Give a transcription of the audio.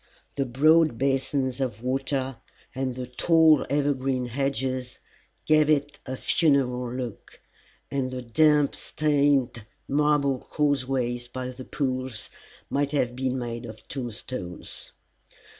The broad basins of water and the tall evergreen hedges gave it a funereal look, and the damp stained marble causeways by the pools might have been made of tombstones.